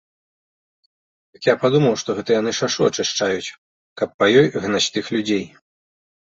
Дык я падумаў, што гэта яны шашу ачышчаюць, каб па ёй гнаць тых людзей.